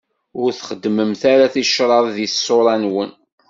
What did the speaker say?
Ur txeddmem ara ticraḍ di ṣṣura-nwen.